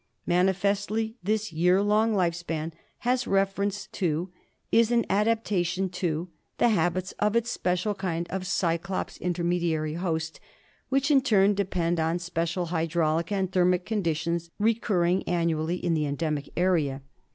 Manifestly this year long life span has reference to, is an adaptation to, the habits of its special kind of Cyclops intermediary host, which, in turn, depend on special hydraulic and thermic conditions recurring an nually in the endemic area.